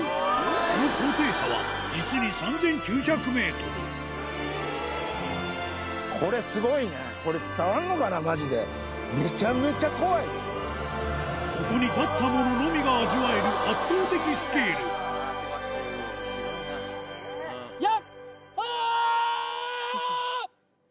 その高低差は実に３９００ｍここに立った者のみが味わえる圧倒的スケール声が。